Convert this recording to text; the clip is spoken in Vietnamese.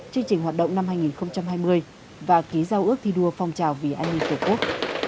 chương trình hoạt động năm hai nghìn hai mươi và ký giao ước thi đua phong trào vì an ninh tổ quốc